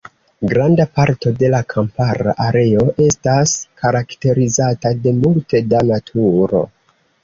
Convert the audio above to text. Granda parto de la kampara areo estas karakterizata de multe da naturo.